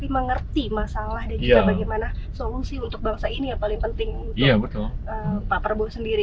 mengerti masalah dan juga bagaimana solusi untuk bangsa ini yang paling penting untuk pak prabowo sendiri